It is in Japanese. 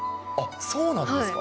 そうなんですか。